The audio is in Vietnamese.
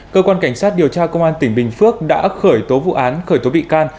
cơ quan cảnh sát điều tra công an tỉnh bình phước đã khởi tố vụ án khởi tố bị can